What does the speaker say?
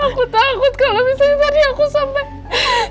aku takut kalau misalnya tadi aku sampai